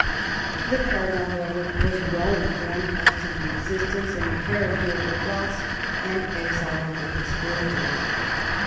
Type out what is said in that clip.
The cardinal, however, was well informed as to the existence and character of the plots, and exiled the conspirators.